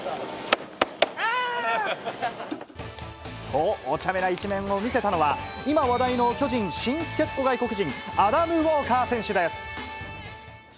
と、おちゃめな一面を見せたのは、今話題の巨人新助っ人外国人、アダム・ウォーカー選手です。